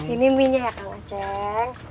ini minyak kak waceng